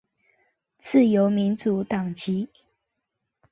自由民主党籍。